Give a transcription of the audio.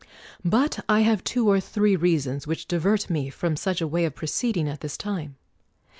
But I have two or three reasons which divert me from such a way of proceeding at this time.